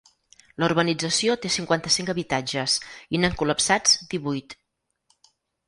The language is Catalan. La urbanització té cinquanta-cinc habitatges i n’han col·lapsats divuit.